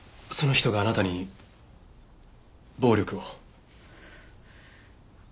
その人があなたに暴力を？